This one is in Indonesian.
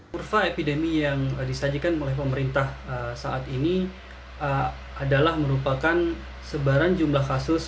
kurva epidemi yang disajikan oleh pemerintah saat ini adalah merupakan sebaran jumlah kasus